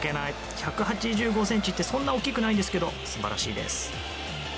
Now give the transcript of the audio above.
１８５ｃｍってそんな大きくないですけど素晴らしいです。